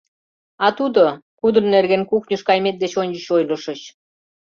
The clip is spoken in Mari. — А тудо, кудын нерген кухньыш кайымет деч ончыч ойлышыч.